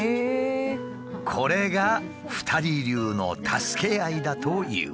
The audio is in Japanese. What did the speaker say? これが２人流の助け合いだという。